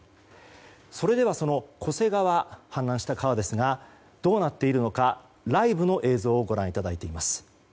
それでは、その巨瀬川氾濫した川ですがどうなっているのかライブの映像をご覧いただいています。